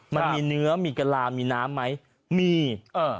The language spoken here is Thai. มันมีเนื้อมีกะลามีน้ำไหมมีเออ